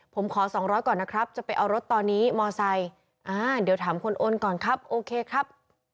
ผมขอสองร้อยก่อนนะครับจะไปเอารถตอนนี้มอไซค์อ่าเดี๋ยวถามคนโอนก่อนครับโอเคครับ